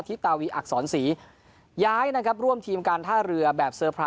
ทิตาวีอักษรสี่ย้ายนะครับร่วมทีมการท่าเหลือแบบ